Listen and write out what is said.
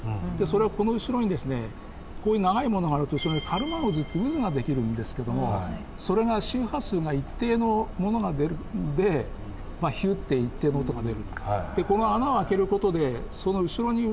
それはこの後ろにこういう長いものがあるとそれカルマン渦って渦が出来るんですけどもそれが周波数が一定のものが出るんでヒュッて一定の音が出る。